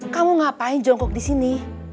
kamu ngapain jongkok disini